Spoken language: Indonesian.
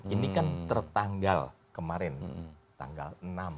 ini kan tertanggal kemarin tanggal enam